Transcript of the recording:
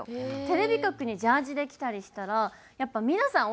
テレビ局にジャージーで来たりしたらやっぱ皆さん